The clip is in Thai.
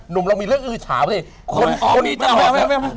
หนุ่มเรามีเรื่องอื่นอื่นถามสิ